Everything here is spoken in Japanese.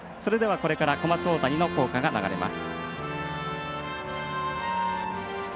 これから小松大谷の校歌が流れます。